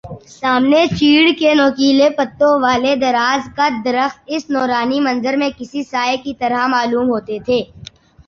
سامنے چیڑ کے نوکیلے پتوں والے دراز قد درخت اس نورانی منظر میں کسی سائے کی طرح معلوم ہوتے تھے